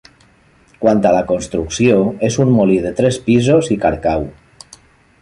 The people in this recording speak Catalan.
Quant a la construcció és un molí de tres pisos i carcau.